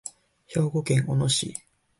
兵庫県小野市